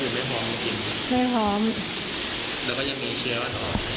นั่งคุยไม่หอมจริงไม่หอมแล้วก็ยังมีเชื้ออ่อน